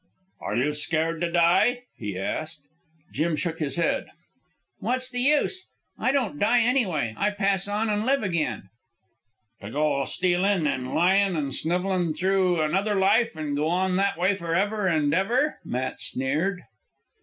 "Are you scared to die?" he asked. Jim shook his head. "What's the use? I don't die anyway. I pass on an' live again " "To go stealin', an' lyin' an' snivellin' through another life, an' go on that way forever an' ever an' ever?" Matt sneered.